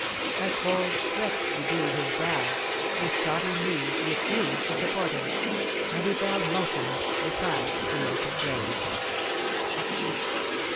A cold sweat bedewed his brow, his tottering knees refused to support him, and he fell motionless beside the open grave.